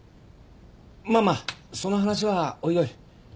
まあまあその話はおいおい。